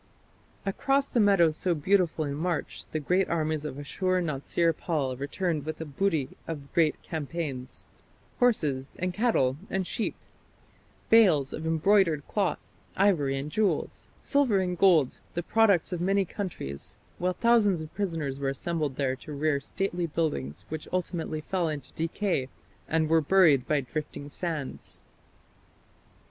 " Across the meadows so beautiful in March the great armies of Ashur natsir pal returned with the booty of great campaigns horses and cattle and sheep, bales of embroidered cloth, ivory and jewels, silver and gold, the products of many countries; while thousands of prisoners were assembled there to rear stately buildings which ultimately fell into decay and were buried by drifting sands.